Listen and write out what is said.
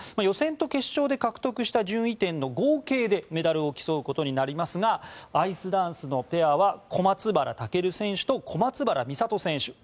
予選と決勝で獲得した順位点の合計でメダルを競うことになりますがアイスダンスのペアは小松原尊選手と小松原美里選手。